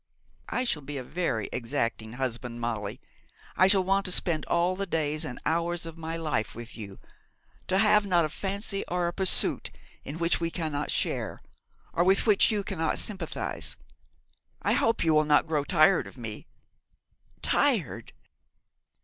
I shall be a very exacting husband, Molly. I shall want to spend all the days and hours of my life with you; to have not a fancy or a pursuit in which you cannot share, or with which you cannot sympathise. I hope you will not grow tired of me!' 'Tired!'